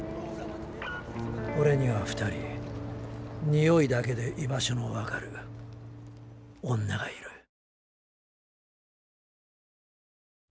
オレには２人においだけで居場所の分かる女がいる